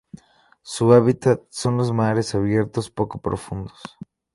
Su hábitat son los mares abiertos poco profundos.